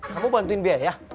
kamu bantuin biaya